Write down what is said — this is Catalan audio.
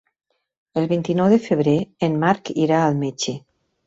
El vint-i-nou de febrer en Marc irà al metge.